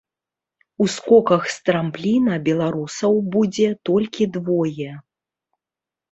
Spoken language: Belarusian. У скоках з трампліна беларусаў будзе толькі двое.